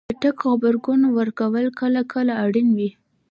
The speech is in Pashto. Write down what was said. چټک غبرګون ورکول کله کله اړین وي.